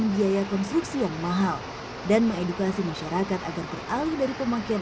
biaya konstruksi yang mahal dan mengedukasi masyarakat agar beralih dari pemakaian